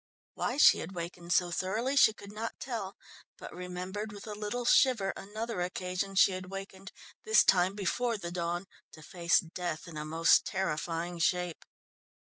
Why she had wakened so thoroughly she could not tell, but remembered with a little shiver another occasion she had wakened, this time before the dawn, to face death in a most terrifying shape.